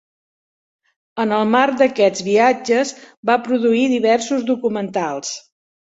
En el marc d'aquests viatges va produir diversos documentals.